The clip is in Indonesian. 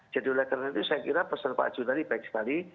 jadi oleh karena itu saya kira pesan pak juhari baik sekali